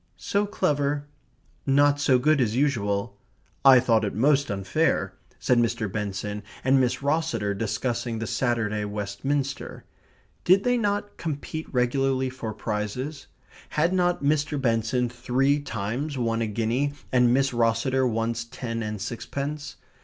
"So clever" "not so good as usual" "I thought it most unfair," said Mr. Benson and Miss Rosseter, discussing the Saturday Westminster. Did they not compete regularly for prizes? Had not Mr. Benson three times won a guinea, and Miss Rosseter once ten and sixpence?